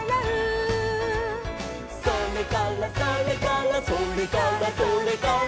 「それからそれからそれからそれから」